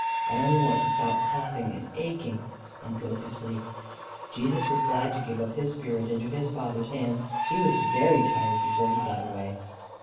I only want to stop coughing and aching and go to sleep." "Jesus was glad to give up his spirit into his Father's hands. He was very tired before he got away."